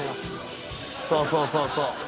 そうそうそうそう。